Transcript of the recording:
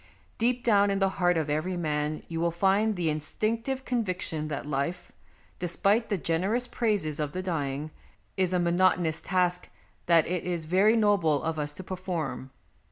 Deep down in the heart of every man you will find the instinctive conviction that life, despite the generous praises of the dying, is a monotonous task that it is very noble of us to perform.